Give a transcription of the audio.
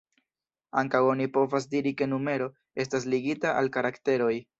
Ankaŭ oni povas diri ke numero estas ligita al karakteroj.